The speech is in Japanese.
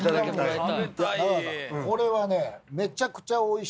これはね。